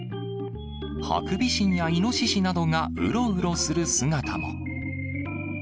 ハクビシンやイノシシなどがうろうろする姿も。